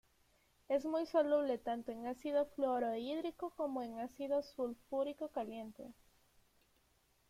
Es muy soluble tanto en ácido fluorhídrico como en ácido sulfúrico caliente.